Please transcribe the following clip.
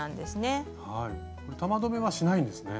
玉留めはしないんですね？